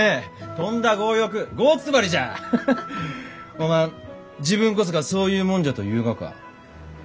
おまん自分こそがそういう者じゃと言うがか？